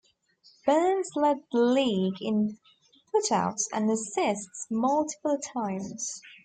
Burns led the league in putouts and assists multiple times.